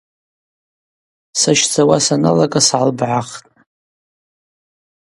Сащдзауа саналага сгӏалбгӏахтӏ.